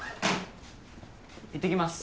いってきます。